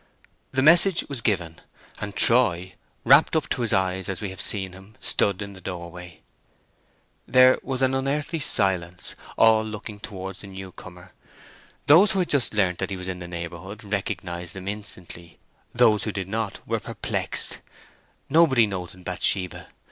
The message was given, and Troy, wrapped up to his eyes as we have seen him, stood in the doorway. There was an unearthly silence, all looking towards the newcomer. Those who had just learnt that he was in the neighbourhood recognized him instantly; those who did not were perplexed. Nobody noted Bathsheba.